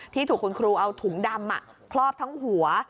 ถูกคุณครูเอาถุงดำคลอบทั้งหัว